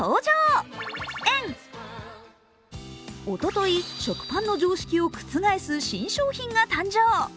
おととい、食パンの常識を覆す新商品が誕生。